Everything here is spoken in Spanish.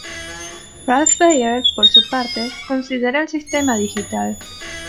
Ralph Baer, por su parte, considera el sistema digital.